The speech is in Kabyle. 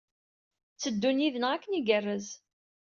Tteddun yid-neɣ akken igerrez.